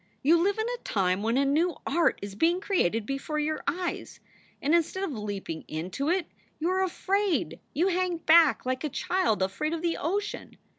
You live in a time when a new art is being created before your eyes, and instead of leaping into it you are afraid, you hang back, like a child afraid of the ocean.